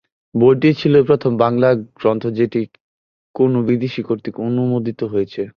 বইটি ছিল প্রথম বাংলা গ্রন্থ যেটি কোনো বিদেশি কর্তৃক অনূদিত হয়েছে।